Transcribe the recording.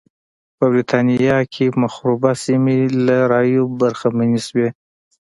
په برېټانیا کې مخروبه سیمې له رایو برخمنې شوې.